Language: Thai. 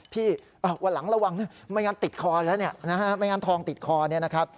พี่วันหลังระวังไม่งั้นติดคอแล้วไม่งั้นทองติดคอ